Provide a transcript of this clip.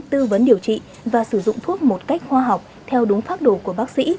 tư vấn điều trị và sử dụng thuốc một cách khoa học theo đúng pháp đồ của bác sĩ